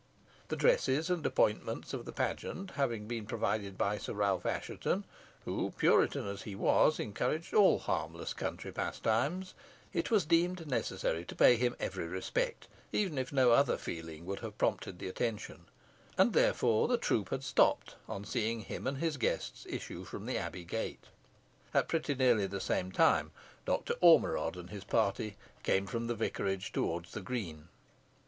The dresses and appointments of the pageant having been provided by Sir Ralph Assheton, who, Puritan as he was, encouraged all harmless country pastimes, it was deemed necessary to pay him every respect, even if no other feeling would have prompted the attention, and therefore the troop had stopped on seeing him and his guests issue from the Abbey gate. At pretty nearly the same time Doctor Ormerod and his party came from the vicarage towards the green.